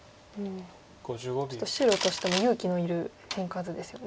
ちょっと白としても勇気のいる変化図ですよね。